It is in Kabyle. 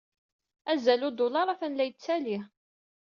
Azal n udulaṛ atan la yettaley.